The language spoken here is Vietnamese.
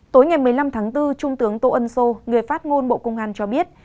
tối ngày một mươi năm tháng bốn trung tướng tô ân sô người phát ngôn bộ công an cho biết